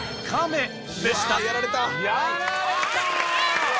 ・やられた！